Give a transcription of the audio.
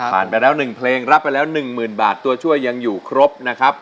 ผ่านไปแล้วหนึ่งเพลงรับไปแล้วหนึ่งหมื่นบาทตัวช่วยยังอยู่ครบนะครับ